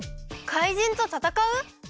かいじんとたたかう！？